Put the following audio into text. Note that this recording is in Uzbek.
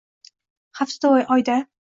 Haftada, oyda…